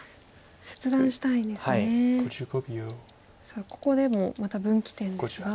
さあここでもまた分岐点ですが。